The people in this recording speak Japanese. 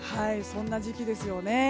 そんな時期ですよね。